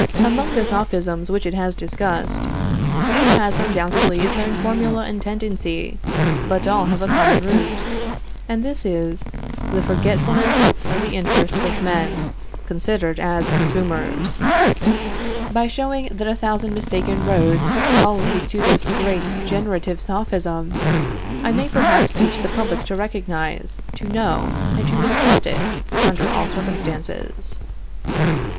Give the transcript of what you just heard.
Among the Sophisms which it has discussed, each has undoubtedly its own formula and tendency, but all have a common root; and this is, the forgetfulness of the interests of men, considered as consumers. By showing that a thousand mistaken roads all lead to this great generative Sophism, I may perhaps teach the public to recognize, to know, and to mistrust it, under all circumstances.